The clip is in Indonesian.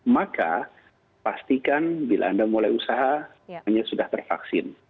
maka pastikan bila anda mulai usaha anda sudah tervaksin